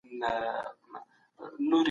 مشران چیري د ازادي سوداګرۍ خبري کوي؟